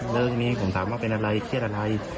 อ๋อเรื่องมีผมถามว่าเป็นอะไรเครียดอะไร